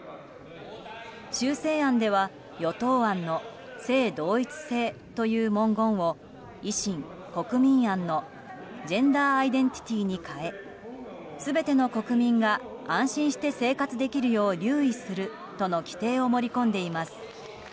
修正案では与党案の性同一性という文言を維新・国民案のジェンダーアイデンティティに変え全ての国民が安心して生活できるよう留意するとの規定を盛り込んでいます。